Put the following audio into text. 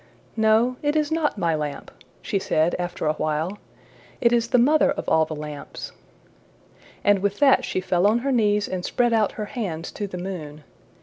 ``No, it is not my lamp,'' she said after a while; ``it is the mother of all the lamps.'' And with that she fell on her knees and spread out her hands to the moon.